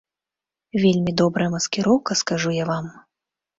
Вельмі добрая маскіроўка, скажу я вам.